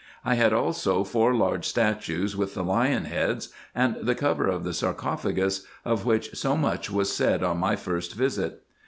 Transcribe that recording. I had also four large statues with the lion heads ; and the cover of the sarcophagus, of wliich so much was said on my first visit.